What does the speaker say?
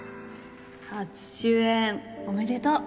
初主演おめでとう！